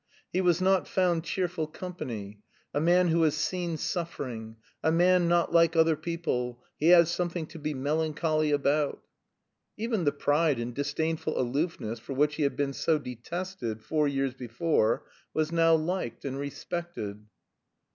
He was not found cheerful company: "a man who has seen suffering; a man not like other people; he has something to be melancholy about." Even the pride and disdainful aloofness for which he had been so detested four years before was now liked and respected.